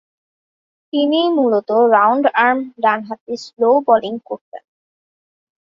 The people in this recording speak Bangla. তিনি মূলতঃ রাউন্ড-আর্ম ডানহাতি স্লো বোলিং করতেন।